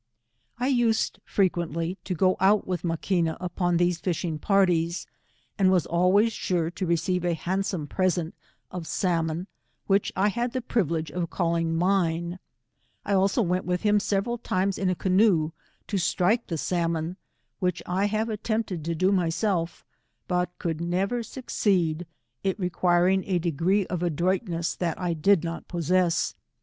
I used frequently to go out with Maquina upoo these fishing parties, and was always sure to re ceive a handsome present of salmon, which I had the privilege of calling mine; I also went with him several times in a canoe, to strike the salmon, which I have attempted to do myself, but could jaever succeed, it requiring a degree of adroitness that I did not possess.